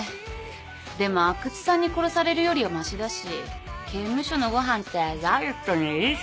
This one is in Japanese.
でも阿久津さんに殺されるよりはましだし刑務所のご飯ってダイエットにいいし。